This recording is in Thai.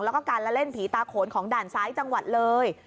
แล้วก็การละเล่นผีตาโขนของด่านซ้ายจังหวัดเลย